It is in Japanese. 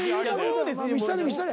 見したれ見したれ。